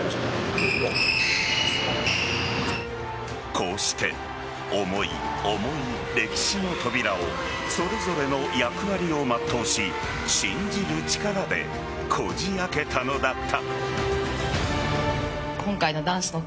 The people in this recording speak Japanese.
こうして重い重い歴史の扉をそれぞれの役割を全うし信じる力でこじ開けたのだった。